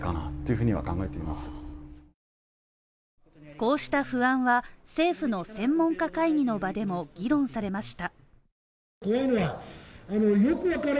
こうした不安は政府の専門家会議の場でも議論されました。